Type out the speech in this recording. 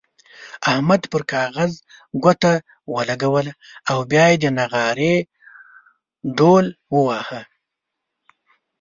احمد پر کاغذ ګوته ولګوله او بيا يې د نغارې ډوهل وواهه.